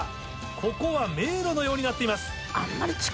ここは迷路のようになっています。